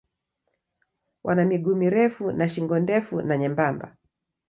Wana miguu mirefu na shingo ndefu na nyembamba.